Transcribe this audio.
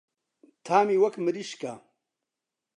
تامی وەک مریشکە.